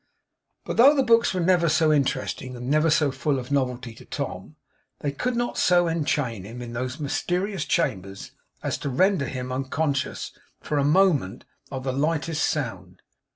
But though the books were never so interesting, and never so full of novelty to Tom, they could not so enchain him, in those mysterious chambers, as to render him unconscious, for a moment, of the lightest sound.